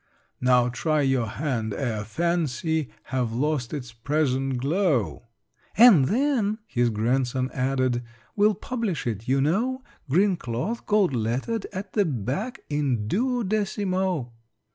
"Now try your hand, ere Fancy Have lost its present glow " "And then," his grandson added, "We'll publish it, you know: Green cloth gold lettered at the back In duodecimo!"